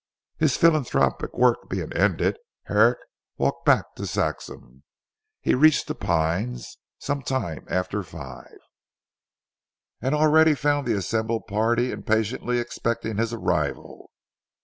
His philanthropic work being ended, Herrick walked back to Saxham. He reached 'The Pines' some time after five, and already found the assembled party impatiently expecting his arrival.